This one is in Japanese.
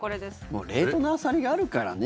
もう冷凍のアサリがあるからね。